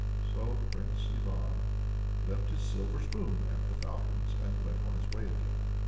So Prince Ivan left his silver spoon at the Falcon's, and went on his way again.